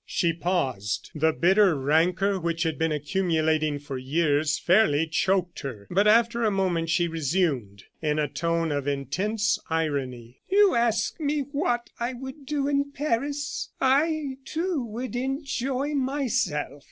She paused. The bitter rancor which had been accumulating for years fairly choked her; but after a moment she resumed, in a tone of intense irony: "You ask me what would I do in Paris? I, too, would enjoy myself.